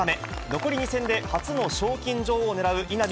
残り２戦で初の賞金女王をねらう稲見